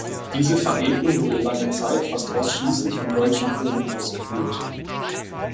Diese Veredlung wurde lange Zeit fast ausschließlich von deutschen Firmen ausgeführt.